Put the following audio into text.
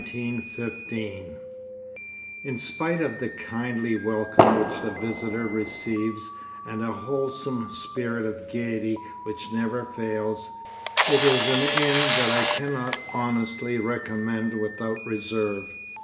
_ In spite of the kindly welcome which the visitor receives and a wholesome spirit of gaiety which never fails, it is an inn that I cannot honestly recommend without reserve.